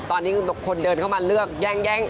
ตอนนี้คนเดินเข้ามาเลือกแย่ง